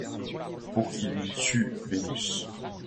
Pour qui luis-tu, Vénus?